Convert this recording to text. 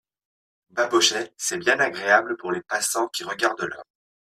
Babochet C'est bien agréable pour les passants qui regardent l'heure.